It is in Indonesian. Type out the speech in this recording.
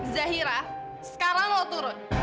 zahira sekarang lo turun